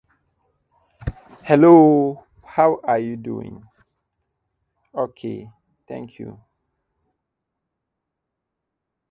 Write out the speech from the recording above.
His first love is literature.